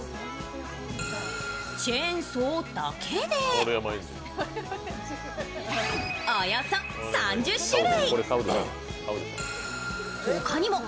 チェーンソーだけでおよそ３０種類。